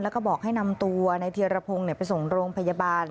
แล้วก็บอกให้นำตัวในเทียรพงศ์ไปส่งโรงพยาบาล